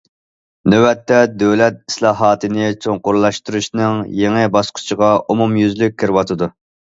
نۆۋەتتە دۆلەت ئىسلاھاتنى چوڭقۇرلاشتۇرۇشنىڭ يېڭى باسقۇچىغا ئومۇميۈزلۈك كىرىۋاتىدۇ.